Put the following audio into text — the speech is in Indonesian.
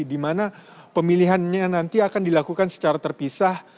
dimana pemilihannya nanti akan dilakukan secara terpisah